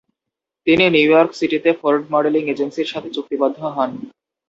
তিনি New York সিটিতে Ford modelling এজেন্সির সাথে চুক্তিবদ্ধ হন।